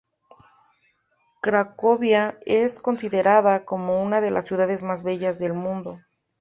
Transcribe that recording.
Cracovia es considerada como una de las ciudades más bellas del mundo.